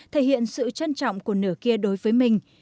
thể hiện sự trân trọng của nửa kia đối với mình